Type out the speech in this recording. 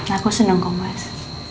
aku seneng kok bas